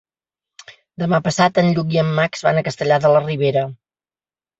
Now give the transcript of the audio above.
Demà passat en Lluc i en Max van a Castellar de la Ribera.